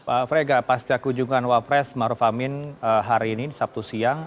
pak frega pasca kunjungan wapres maruf amin hari ini sabtu siang